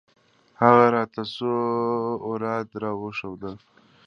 هغه راته څو اوراد راوښوول.